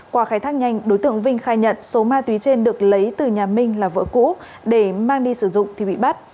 qua khai thác nhanh đối tượng vinh khai nhận số ma túy trên được lấy từ nhà minh là vợ cũ để mang đi sử dụng thì bị bắt